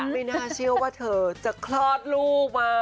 ไม่น่าเชื่อว่าเธอจะคลอดลูกมา